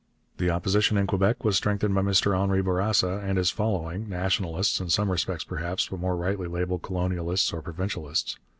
The opposition in Quebec was strengthened by Mr Henri Bourassa and his following 'Nationalists' in some respects perhaps, but more rightly labelled Colonialists or Provincialists.